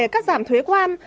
cắt giảm thuế quan